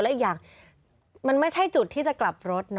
และอีกอย่างมันไม่ใช่จุดที่จะกลับรถนะ